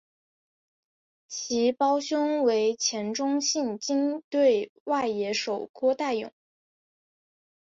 其胞兄为前中信鲸队外野手郭岱咏。